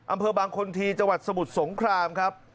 อำเภอบางคนทีจังหวัดสมุทรสงครามครับ